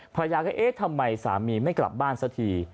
ภรรยาก็เอ๊ะทำไมสามีไม่กลับบ้านสักที